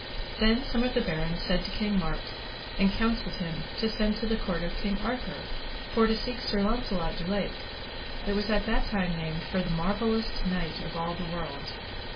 Then some of the barons said to King Mark, and counselled him to send to the court of King Arthur for to seek Sir Launcelot du Lake, that was that time named for the marvelloust knight of all the world.